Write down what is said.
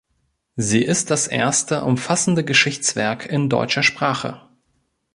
Sie ist das erste umfassende Geschichtswerk in deutscher Sprache.